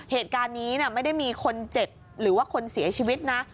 เหตุการณ์นี้ไม่ได้มีคนเจ็บหรือว่าคนเสียชีวิตนะ